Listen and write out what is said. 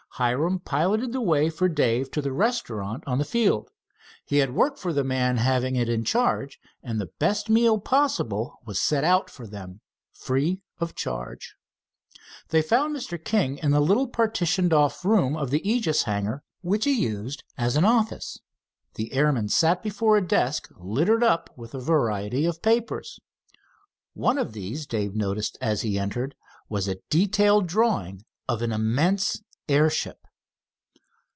Hiram piloted the way for Dave to the restaurant on the field. He had worked for the man having it in charge, and the best meal possible was set out for them free of charge. They found Mr. King in the little partitioned off room of the Aegis hangar which he used as an office. The airman sat before a desk littered up with a variety of papers. One of these Dave noticed as he entered, was a detailed drawing of an immense airship.